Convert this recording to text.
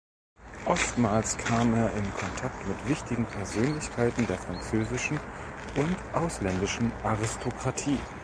Oftmals kam er in Kontakt mit wichtigen Persönlichkeiten der französischen und ausländischen Aristokratie.